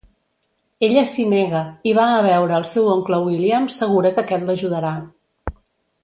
Ella s'hi nega i va a veure el seu oncle William, segura que aquest l'ajudarà.